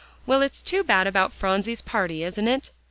Well, it's too bad about Phronsie's party, isn't it?"